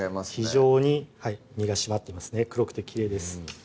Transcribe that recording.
非常に身が締まってますね黒くてきれいです